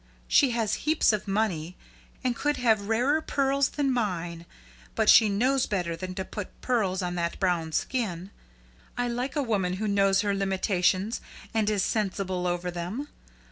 She has heaps of money, and could have rarer pearls than mine; but she knows better than to put pearls on that brown skin. I like a woman who knows her limitations and is sensible over them.